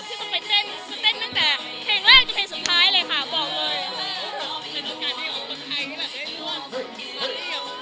ที่ต้องไปเต้นตั้งแต่เค่งแรกจนเค่งสุดท้ายเลยค่ะบอกเลย